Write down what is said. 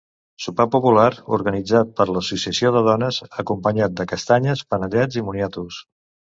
Sopar popular organitzat per l'Associació de dones, acompanyat de castanyes, panellets i moniatos.